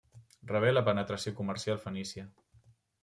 Rebé la penetració comercial fenícia.